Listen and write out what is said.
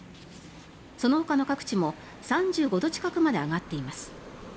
そのほかの各地も３５度近くまで上がっています。